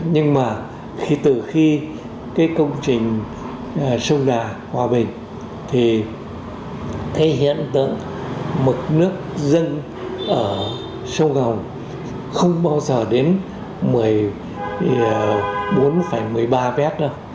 nhưng mà từ khi công trình sông đà hòa bình thì hiện tượng mực nước dân ở sông hồng không bao giờ đến một mươi bốn một mươi ba mét đâu